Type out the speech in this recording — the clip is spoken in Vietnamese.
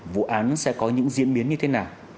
vụ án sẽ có những diễn biến như thế nào